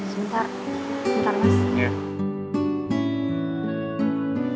sebentar sebentar mas